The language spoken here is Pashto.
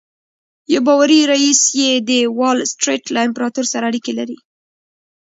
یو باوري ريیس یې د وال سټریټ له امپراتور سره اړیکې لري